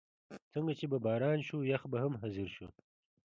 څنګه چې به باران شو، یخ به هم حاضر شو.